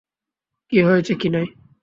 কী হয়েছে, কিনাই?